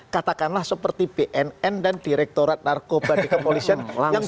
katakanlah seperti bnn dan direktorat narkoba di kepolisian langsung